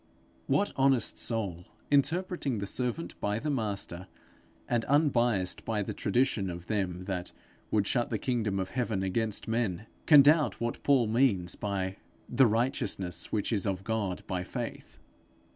What honest soul, interpreting the servant by the master, and unbiassed by the tradition of them that would shut the kingdom of heaven against men, can doubt what Paul means by 'the righteousness which is of God by faith'?